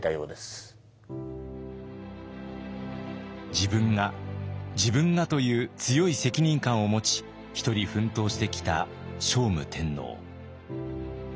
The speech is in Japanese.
「自分が自分が」という強い責任感を持ち一人奮闘してきた聖武天皇。